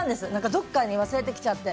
どこかでなくしてきちゃって。